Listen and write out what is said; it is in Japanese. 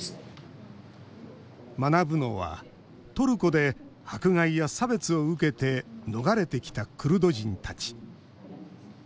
学ぶのはトルコで迫害や差別を受けて逃れてきたクルド人たち。